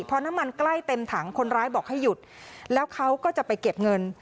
พอน้ำมันใกล้เต็มถังคนร้ายบอกให้หยุดแล้วเขาก็จะไปเก็บเงิน